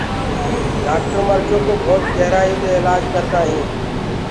ڊآڪٿر مرجو ڪو ڀوت گهرآيو دي اِلآج ڪردآ هينٚ۔